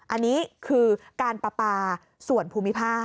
อันนี้คือการประปาส่วนภูมิภาค